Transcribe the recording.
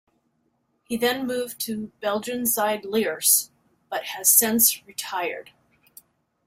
He then moved to Belgian side Lierse, but has since retired.